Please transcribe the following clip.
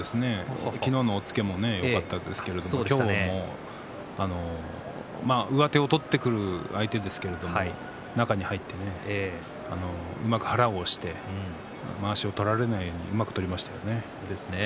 昨日の押っつけもよかったですけど今日も上手を取ってくる相手ですけれども中に入ってねうまく腹を押してまわしを取られないようにうまく取りましたね。